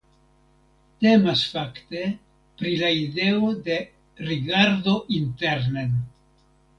Temas fakte pri la ideo de «rigardo internen».